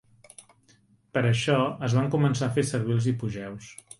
Per això, es van començar a fer servir els hipogeus.